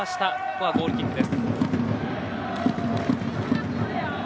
ここはゴールキックです。